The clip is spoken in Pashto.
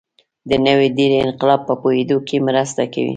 د نوې ډبرې انقلاب په پوهېدو کې مرسته کوي.